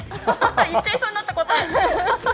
言っちゃいそうになった、答え。